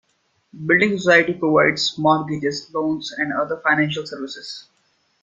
A building society provides mortgages, loans and other financial services